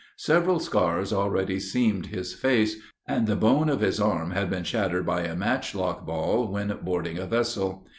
Several scars already seamed his face, and the bone of his arm had been shattered by a matchlock ball when boarding a vessel.